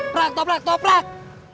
pakai gue mau berhenti ya bang